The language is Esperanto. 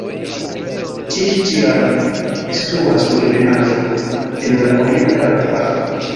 Ĉiŝtian situas sur ebenaĵo en la orienta landparto.